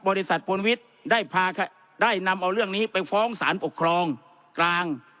บริษัทปวนวิทย์ได้นำเอาเรื่องนี้ไปฟ้องสารปกครองกลาง